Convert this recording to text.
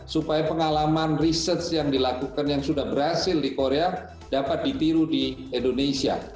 supaya pengalaman research yang dilakukan yang sudah berhasil di korea dapat ditiru di indonesia